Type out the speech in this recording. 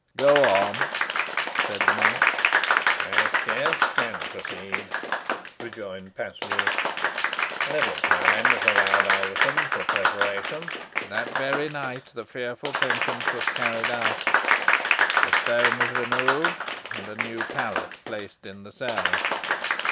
"Go on," said the monk. "I scarce can proceed," rejoined Paslew. "Little time was allowed Alvetham for preparation. That very night the fearful sentence was carried out. The stone was removed, and a new pallet placed in the cell.